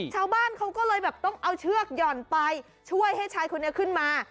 ชาวบ้านเขาก็เลยแบบต้องเอาเชือกหย่อนไปช่วยให้ชายคนนี้ขึ้นมา